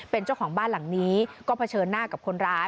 เป็นเจ้าของบ้านหลังนี้ก็เผชิญหน้ากับคนร้าย